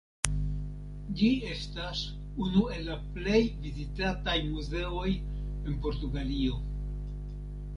Ĝi estas unu el la plej vizitataj muzeoj en Portugalio.